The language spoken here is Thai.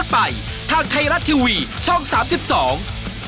โดดไปทางไทรัตทีวีช่อง๓๒